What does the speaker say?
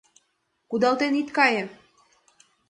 Кудалтен ит кае.